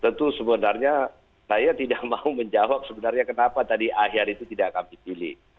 tentu sebenarnya saya tidak mau menjawab sebenarnya kenapa tadi akhir itu tidak kami pilih